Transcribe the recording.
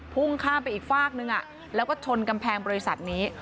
พุ่งข้ามไปอีกฝากนึงแล้วก็ชนกำแพงบริษัทนี้